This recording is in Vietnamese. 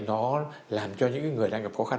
nó làm cho những người đang gặp khó khăn